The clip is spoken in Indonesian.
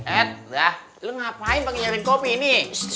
ed dah lo ngapain pake nyariin kopi ini